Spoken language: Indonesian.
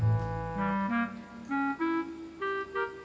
dia ada apa apa sih